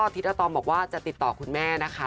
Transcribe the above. ทิศอาตอมบอกว่าจะติดต่อคุณแม่นะคะ